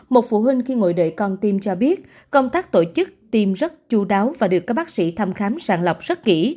một phụ huynh khi ngồi đợi con tim cho biết công tác tổ chức tiêm rất chú đáo và được các bác sĩ thăm khám sàng lọc rất kỹ